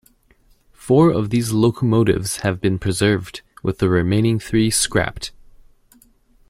Four of these locomotives have been preserved, with the remaining three scrapped.